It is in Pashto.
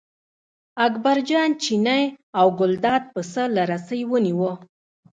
اکبرجان چینی او ګلداد پسه له رسۍ ونیوه.